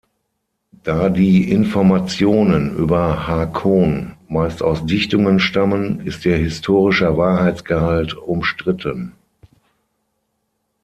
Da die Informationen über Haakon meist aus Dichtungen stammen, ist ihr historischer Wahrheitsgehalt umstritten.